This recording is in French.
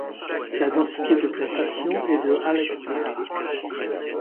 La densité de plantation est de à l’hectare.